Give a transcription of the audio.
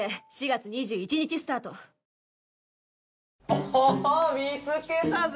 おお見つけたぜ！